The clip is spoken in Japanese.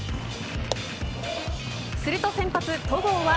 すると先発、戸郷は